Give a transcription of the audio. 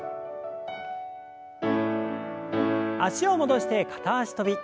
脚を戻して片脚跳び。